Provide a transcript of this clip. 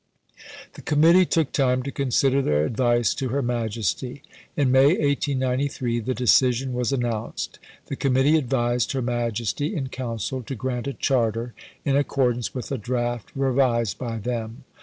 The Committee took time to consider their advice to Her Majesty. In May 1893 the decision was announced. The Committee advised Her Majesty in Council to grant a Charter in accordance with a Draft revised by them.